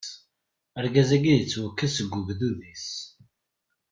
Argaz-agi ad ittwakkes seg ugdud-is.